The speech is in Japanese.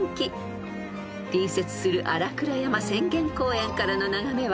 ［隣接する新倉山浅間公園からの眺めは］